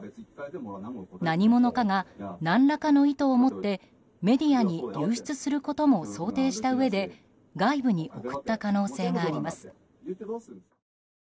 何者かが何らかの意図を持ってメディアに流出することも想定したうえで外部に送った可能性があります。